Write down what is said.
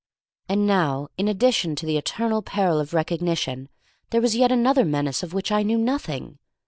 And now, in addition to the eternal peril of recognition, there was yet another menace of which I knew nothing.